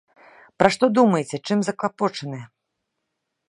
Пра што думаеце, чым заклапочаныя?